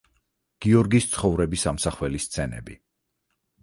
გიორგის ცხოვრების ამსახველი სცენები.